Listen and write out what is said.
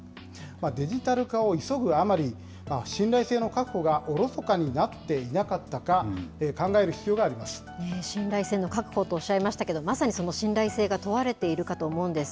デジタル化を急ぐあまり、信頼性の確保がおろそかになっていなかったか、考える必要があり信頼性の確保とおっしゃいましたけど、まさにその信頼性が問われているかと思うんです。